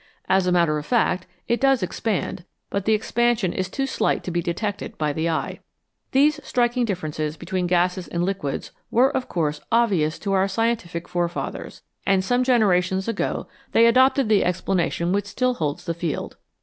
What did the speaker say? As a matter of fact, it does expand, but the expansion is too slight to be detected by the eye. These striking differences between gases and liquids were, of course, obvious to our scientific forefathers, and some generations ago they adopted the explanation which 47 INVISIBLE SUBSTANCES still holds the field.